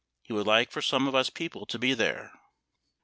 He would like for some of us people to be there.